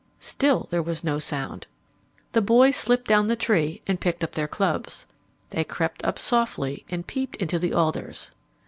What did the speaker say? Still there was no sound. The boys slipped down the tree and picked up their clubs. They crept up softly and peeped into the alders.